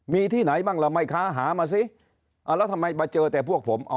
มีที่ไหนบ้างล่ะแม่ค้าหามาสิแล้วทำไมมาเจอแต่พวกผม